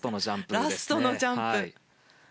ラストのジャンプ。